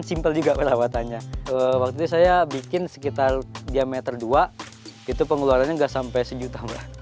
simpel juga perawatannya waktu saya bikin sekitar diameter dua itu pengeluarannya enggak sampai sejuta